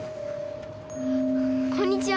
こんにちは。